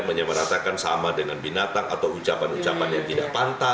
menyeberatkan sama dengan binatang atau ucapan ucapan yang tidak